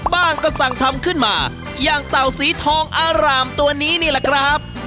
บ้างก็สั่งทำขึ้นมาอย่างเต่าสีทองอร่ามตัวนี้นี่แหละครับ